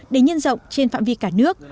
để nhân rộng trên phạm vi cả nước